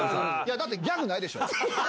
だってギャグないでしょ？